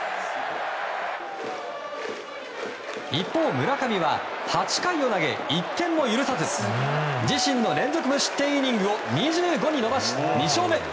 一方、村上は８回を投げ１点も許さず自身の連続無失点イニングを２５に伸ばし、２勝目。